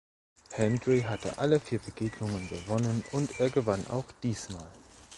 Hendry hatte alle vier Begegnungen gewonnen und er gewann auch diesmal.